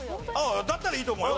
だったらいいと思うよ。